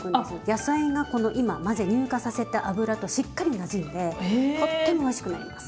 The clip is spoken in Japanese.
野菜がこの今混ぜ乳化させた油としっかりなじんでとってもおいしくなります。